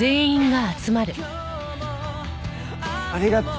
ありがとう。